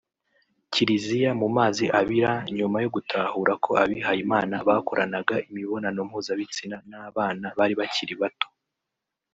Kiriziya mu mazi abira nyuma yo gutahura ko abihaye Imana bakoranaga imibonano mpuzabitsina n’abana bari bakiri bato